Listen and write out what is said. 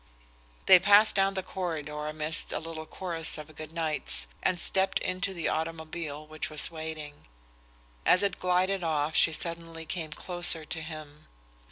They passed down the corridor amidst a little chorus of good nights, and stepped into the automobile which was waiting. As it glided off she suddenly came closer to him.